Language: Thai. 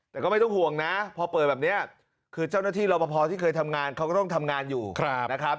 แต่ก็ไม่ต้องห่วงนะพอเปิดแบบนี้คือเจ้าหน้าที่รอปภที่เคยทำงานเขาก็ต้องทำงานอยู่นะครับ